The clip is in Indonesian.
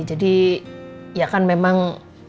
jadi ya kan memang